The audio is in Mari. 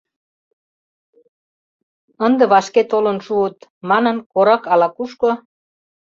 Ынде вашке толын шуыт», Манын, корак ала-кушко